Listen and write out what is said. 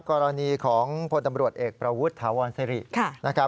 กรณีของพลตำรวจเอกประวุฒิฐาวร์ซีรีส์